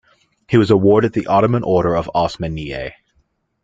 He was awarded the Ottoman Order of Osmanieh.